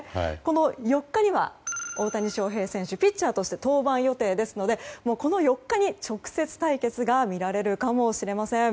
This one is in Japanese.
４日には大谷翔平選手ピッチャーとして登板予定ですのでこの４日に直接対決が見られるかもしれません。